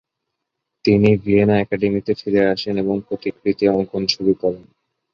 তিনি ভিয়েনা অ্যাকাডেমিতে ফিরে আসেন এবং প্রতিকৃতি অঙ্কন শুরু করেন।